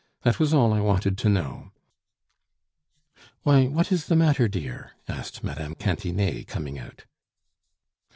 That was all I wanted to know." "Why, what is the matter, dear?" asked Mme. Cantinet, coming out.